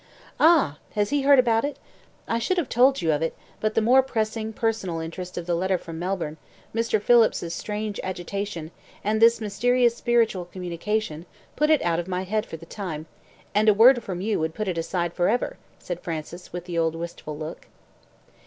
"Ah! has he heard about it? I should have told you of it, but the more pressing personal interest of the letter from Melbourne, Mr. Phillips's strange agitation, and this mysterious spiritual communication, put it out of my head for the time, and a word from you would put it aside for ever," said Francis, with the old wistful look.